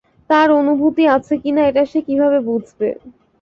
তার অনুভূতি আছে কিনা এটা সে কিভাবে বুঝবে?